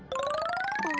あ。